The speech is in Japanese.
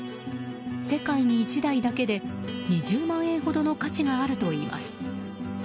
世界に１台だけで２０万円ほどの価値があるといいます。